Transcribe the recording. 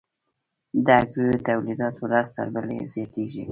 د هګیو تولیدات ورځ تر بلې زیاتیږي